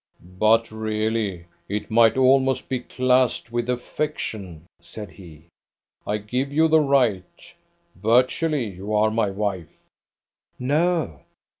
"But really it might almost be classed with affectation," said he. "I give you the right. Virtually you are my wife." "No."